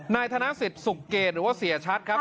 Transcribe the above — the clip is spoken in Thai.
นายธนาศิษย์สุกเกตหรือว่าเสียชัดครับ